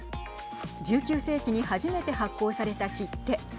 １９世紀に初めて発行された切手。